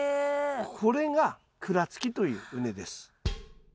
これが鞍つきという畝です。